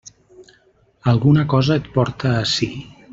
Alguna cosa et porta ací.